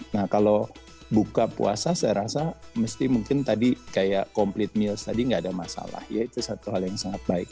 nah kalau buka puasa saya rasa mesti mungkin tadi kayak complete meals tadi nggak ada masalah ya itu satu hal yang sangat baik